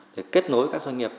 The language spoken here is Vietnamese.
để kết nối các doanh nghiệp